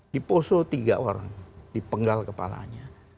diposo tiga orang dipenggal kepalanya